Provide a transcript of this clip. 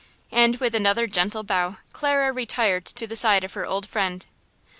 And, with another gentle bow, Clara retired to the side of her old friend.